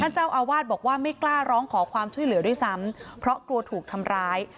เจ้าอาวาสบอกว่าไม่กล้าร้องขอความช่วยเหลือด้วยซ้ำเพราะกลัวถูกทำร้าย